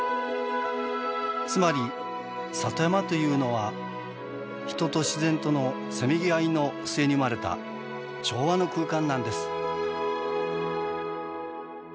つまり里山というのは人と自然とのせめぎ合いの末に生まれた調和の空間なんです。